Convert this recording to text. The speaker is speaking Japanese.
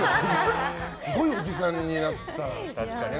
すごいおじさんになったね。